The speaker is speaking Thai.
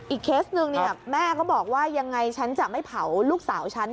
เคสหนึ่งแม่ก็บอกว่ายังไงฉันจะไม่เผาลูกสาวฉัน